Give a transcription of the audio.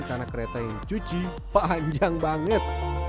karena kereta yang cuci panjang banget